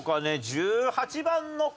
１８番の方。